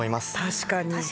確かに。